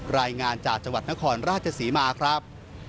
รายงานจากจังหวัดนครราชศรีมาครับ